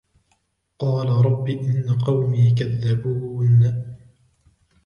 قال رب إن قومي كذبون